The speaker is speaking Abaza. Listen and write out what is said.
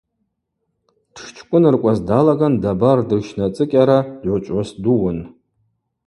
Дшчкӏвыныркӏваз далаган дабар дырщнацӏыкӏьара дгӏвычӏвгӏвыс дууын.